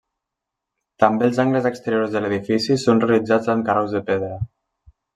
També els angles exteriors de l'edifici són realitzats amb carreus de pedra.